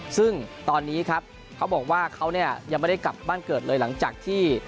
ซึ่งตอนนี้ครับเขาบอกว่าเขาเนี่ยยังไม่ได้กลับบ้านเกิดเลยหลังจากที่